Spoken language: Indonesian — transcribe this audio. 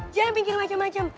jangan mikir macem macem